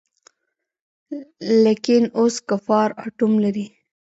لکېن اوس کفار آټوم لري.